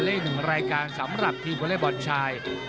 และอีกหนึ่งรายการสำหรับทีมวอเล็กบอลชาย